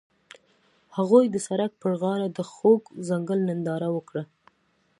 هغوی د سړک پر غاړه د خوږ ځنګل ننداره وکړه.